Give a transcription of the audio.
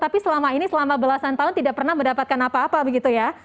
tapi selama ini selama belasan tahun tidak pernah mendapatkan apa apa begitu ya